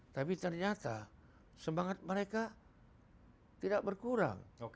tapi ternyata semangat mereka tidak berkurang